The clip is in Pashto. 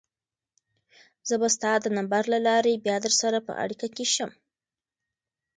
زه به ستا د نمبر له لارې بیا درسره په اړیکه کې شم.